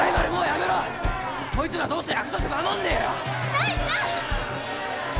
大ちゃん！